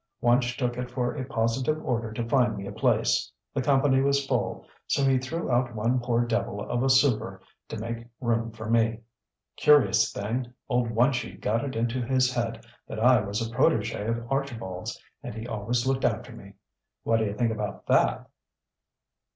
Wunch took it for a positive order to find me a place. The company was full, so he threw out one poor devil of a super to make room for me. Curious thing old Wunchy got it into his head that I was a protégé of Archibald's, and he always looked after me. What d'ye think about that?"